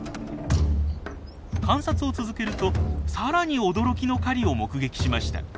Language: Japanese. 観察を続けるとさらに驚きの狩りを目撃しました。